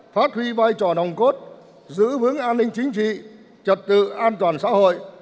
phát huy vai trò nồng cốt giữ vững an ninh chính trị trật tự an toàn xã hội